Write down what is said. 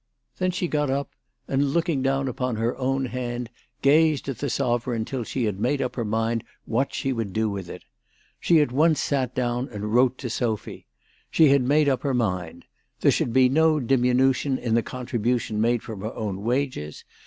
300 THE TELEGRAPH GIRL. Then she got up, and looking down upon her own hand gazed at the sovereign till she had made up her mind what she would do with it. She at once sat down and wrote to Sophy. She had made up her mind. There should be no diminution in the contri bution made from her own wages.